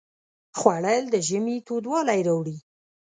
خوړل د ژمي تودوالی راوړي